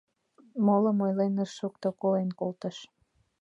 Молым ойлен ыш шукто, колен колтыш...